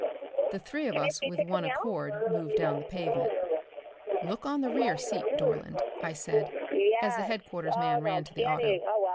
The three of us with one accord moved down the pavement. "Look on the rear seat, Dorland," I said, as the headquarters man ran to the auto.